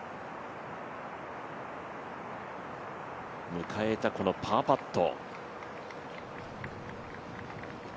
迎えたパーパット。